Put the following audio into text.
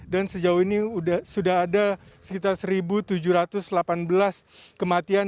dan sejauh ini sudah ada sekitar seribu tujuh ratus delapan belas kematian